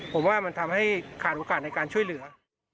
ผมว่ามันทำให้ขาดโอกาสในการช่วยเหลือ